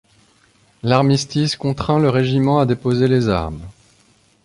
L'armistice contraint le régiment à déposer les armes.